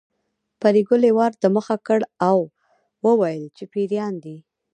پريګلې وار د مخه کړ او وویل چې پيريان دي